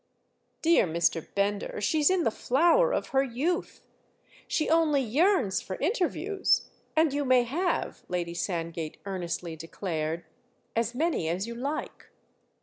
"Dear Mr. Bender, she's in the flower of her youth; she only yearns for interviews, and you may have," Lady Sandgate earnestly declared, "as many as you like."